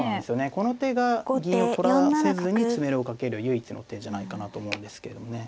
この手が銀を取らせずに詰めろをかける唯一の手じゃないかなと思うんですけれどもね。